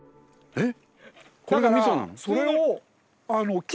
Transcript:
えっ！？